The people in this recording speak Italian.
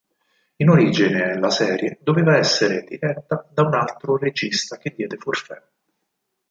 In origine la serie doveva essere diretta da un altro regista che diede forfait.